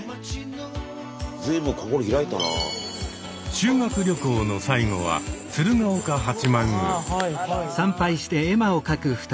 修学旅行の最後は鶴岡八幡宮。